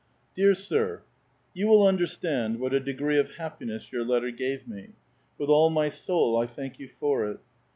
Dear Sir, — You will understand what a degree of happiness your letter gave me. With all my soul I thank you for it.